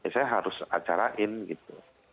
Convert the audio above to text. saya harus acarain gitu